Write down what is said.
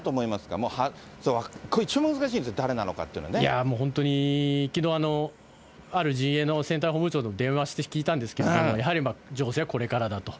もう一番難しい、いやもう本当にきのう、ある陣営の選対本部長と電話して聞いたんですけれども、やはり情勢はこれからだと。